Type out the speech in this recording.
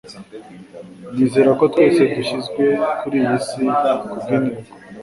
Nizera ko twese dushyizwe kuri iyi si kubwintego